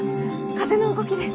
風の動きです。